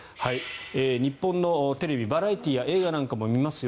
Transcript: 日本のテレビ、バラエティーや映画なんかも見ますよ。